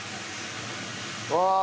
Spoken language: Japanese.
うわあ！